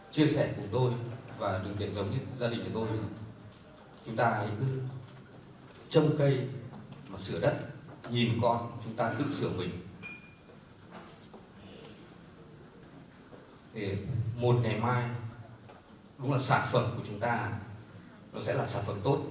để một ngày mai lúc là sản phẩm của chúng ta nó sẽ là sản phẩm tốt